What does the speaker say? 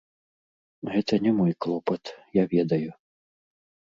Гэта не мой клопат, я ведаю.